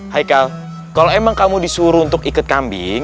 haikal kalau emang kamu disuruh untuk ikut kambing